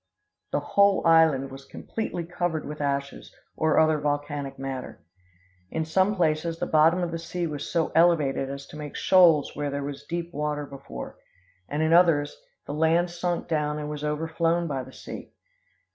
"The whole island was completely covered with ashes, or other volcanic matter. In some places the bottom of the sea was so elevated as to make shoals where there was deep water before; and in others, the land sunk down and was overflown by the sea.